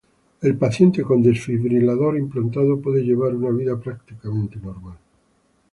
El paciente con desfibrilador implantado puede llevar una vida prácticamente normal.